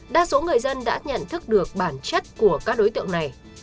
đa số người dân đã nhận thức được bản chất của các đối tượng này